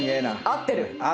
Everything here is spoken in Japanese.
合ってる。